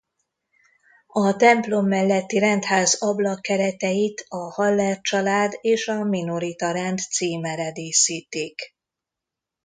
A templom melletti rendház ablakkereteit a Haller-család és a minorita rend címere díszítik.